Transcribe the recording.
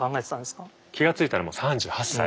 気が付いたらもう３８歳。